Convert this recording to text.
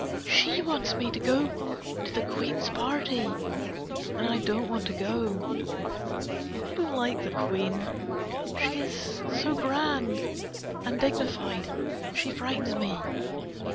She wants me to go to the Queen a party and I don't want to go. I don't like the Queen, she is so grand and dignified. She frightens me.